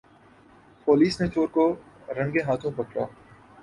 police نے چور کو رنگے ہاتھوں پکڑا